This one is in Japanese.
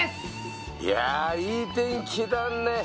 いやぁ、いい天気だねぇ！